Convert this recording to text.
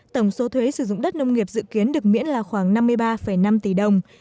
tổng số thuế sử dụng đất nông nghiệp dự kiến được miễn là khoảng năm mươi ba năm